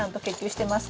してます？